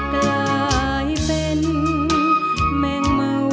กลายเป็นแมงเมา